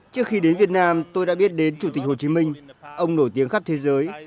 trước khi đến việt nam tôi đã biết đến chủ tịch hồ chí minh ông nổi tiếng khắp thế giới